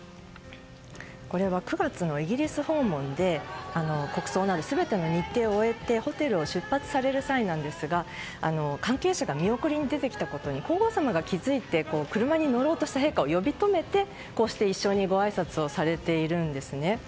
これは、９月のイギリス訪問で国葬など全ての日程を終えてホテルを出発される際なんですが関係者が見送りに出てきたことに皇后さまが気付いて車に乗ろうとした陛下を呼び止めて一緒にごあいさつをされているんです。